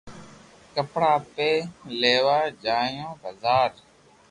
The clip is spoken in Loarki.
ڪپڙا اپي ليوا جايو بزار